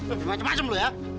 eh macem macem lu ya